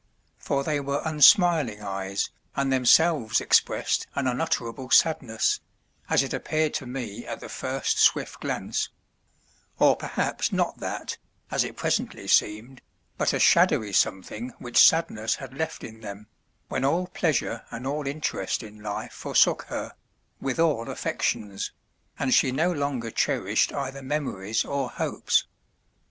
For they were unsmiling eyes and themselves expressed an unutterable sadness, as it appeared to me at the first swift glance; or perhaps not that, as it presently seemed, but a shadowy something which sadness had left in them, when all pleasure and all interest in life forsook her, with all affections, and she no longer cherished either memories or hopes.